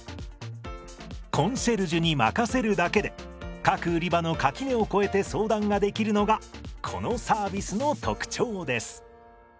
コンシェルジュに任せるだけで各売り場の垣根をこえて相談ができるのがこのサービスの特徴です。